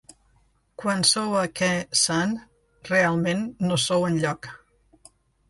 Quan sou a Khe Sanh, realment no sou enlloc.